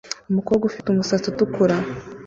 Umukobwa ufite umusatsi utukura